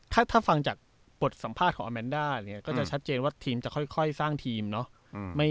ถ้าฟังจากบทสัมภาษณ์ของอาแมนด้าเนี่ยก็จะชัดเจนว่าทีมจะค่อยสร้างทีมเนาะ